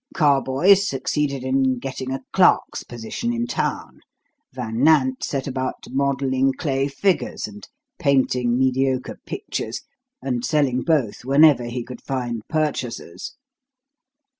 Carboys succeeded in getting a clerk's position in town; Van Nant set about modelling clay figures and painting mediocre pictures, and selling both whenever he could find purchasers.